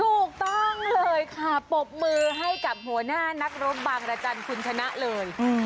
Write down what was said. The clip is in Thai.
ถูกต้องเลยค่ะปรบมือให้กับหัวหน้านักรบบางรจันทร์คุณชนะเลย